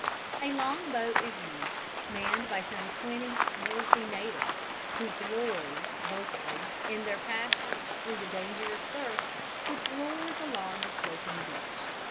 A long boat is used, manned by some twenty swarthy natives, who glory vocally in their passage through the dangerous surf which roars along the sloping beach.